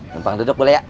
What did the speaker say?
numpang duduk boleh ya